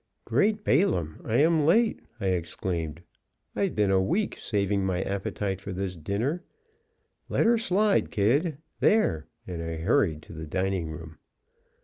"Great Balaam! I am late!" I exclaimed. "I've been a week saving my appetite for this dinner. Let 'er slide kid there!" and I hurried to the dining room.